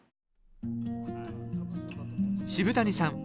渋谷さん